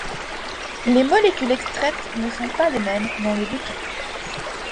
Les molécules extraites ne sont pas les mêmes dans les deux cas.